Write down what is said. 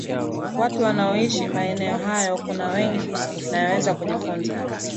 watu wanaoishi maeneo hayo kuna mengi unayoweza kujifunza